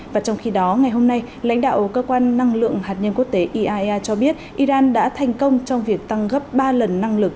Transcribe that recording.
và trong khi đó ngày hôm nay lãnh đạo cơ quan năng lượng hạt nhân quốc tế iaea cho biết iran đã thành công trong việc tăng gấp ba lần năng lực